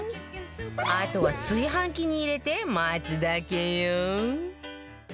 あとは炊飯器に入れて待つだけよ